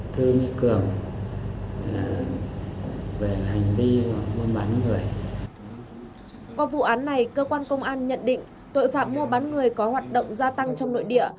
qua vụ án này cơ quan công an nhận định tội phạm mua bán người có hoạt động gia tăng trong nội địa